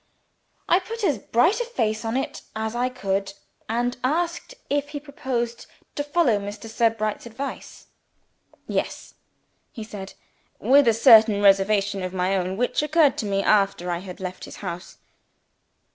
I put as bright a face on it as I could, and asked if he proposed to follow Mr. Sebright's advice. "Yes," he said. "With a certain reservation of my own, which occurred to me after I had left his house."